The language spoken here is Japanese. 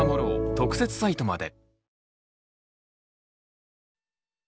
特設サイトまで。